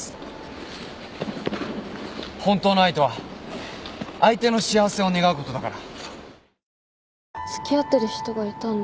本当の愛とは相手の幸せを願うことだから。